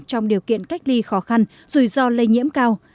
trong điều kiện cách ly khó khăn rủi ro lây nhiễm cao